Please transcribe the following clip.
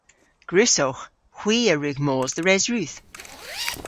Gwrussowgh. Hwi a wrug mos dhe Resrudh.